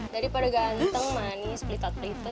kalau gitu gue tinggal dulu ya